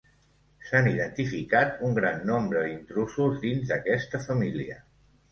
S'han identificat un gran nombre d'intrusos dins d'aquesta família.